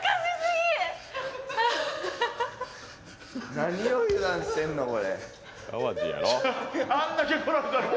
何を油断してんの、これ。